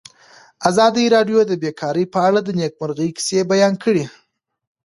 ازادي راډیو د بیکاري په اړه د نېکمرغۍ کیسې بیان کړې.